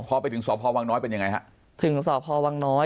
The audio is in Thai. พอไปถึงสพวังน้อยเป็นยังไงฮะถึงสพวังน้อย